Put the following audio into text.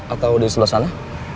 atau di selesana